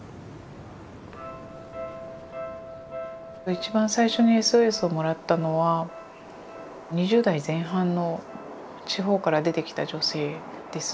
一番最初にＳＯＳをもらったのは２０代前半の地方から出てきた女性です。